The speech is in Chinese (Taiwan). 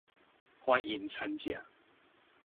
歡迎參加